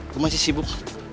gue masih sibuk